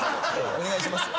お願いしますよ。